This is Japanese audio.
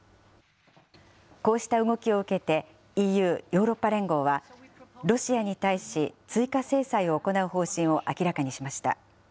こうした動きを受けて、ＥＵ・ヨーロッパ連合は、ロシアに対し、追加制裁を行う方針を明らかにしました。